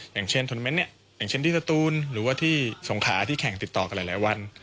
อย่างเช่นโทรเมนต์เนี่ยอย่างเช่นที่สตูนหรือว่าที่สงขาที่แข่งติดต่อกันหลายวัน